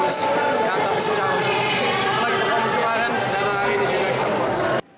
tapi sejauh lagi berkomunisi kemarin dan hari ini juga kita puas